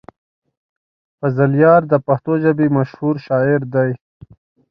فضلیار د پښتو ژبې مشهور شاعر دی.